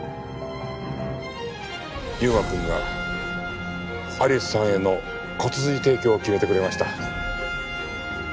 優馬くんがアリスさんへの骨髄提供を決めてくれました。